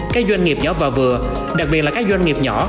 các doanh nghiệp nhỏ và vừa đặc biệt là các doanh nghiệp nhỏ